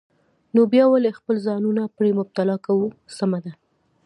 نو بیا ولې خپل ځانونه پرې مبتلا کوو؟ سمه ده.